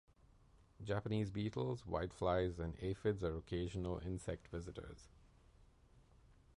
Japanese beetles, whiteflies and aphids are occasional insect visitors.